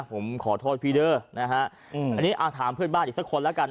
ผมขอโทษพี่เด้อนะฮะอืมอันนี้เอาถามเพื่อนบ้านอีกสักคนแล้วกัน